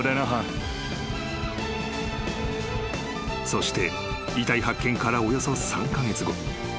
［そして遺体発見からおよそ３カ月後］